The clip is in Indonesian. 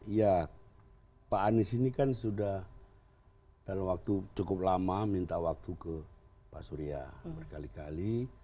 ya pak anies ini kan sudah dalam waktu cukup lama minta waktu ke pak surya berkali kali